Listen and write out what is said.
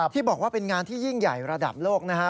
ที่บอกว่าเป็นงานที่ยิ่งใหญ่ระดับโลกนะฮะ